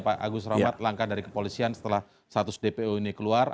pak agus rahmat langkah dari kepolisian setelah status dpo ini keluar